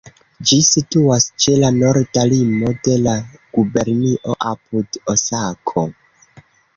Ĝi situas ĉe la norda limo de la gubernio, apud Osako.